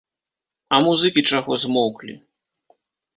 А музыкі чаго змоўклі?!.